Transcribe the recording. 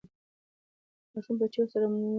ماشوم په چیغو سره مور غوښتله.